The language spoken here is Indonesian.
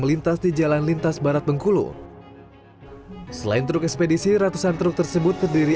melintas di jalan lintas barat bengkulu selain truk ekspedisi ratusan truk tersebut terdiri